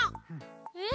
うん。